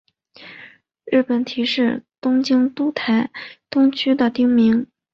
日本堤是东京都台东区的町名。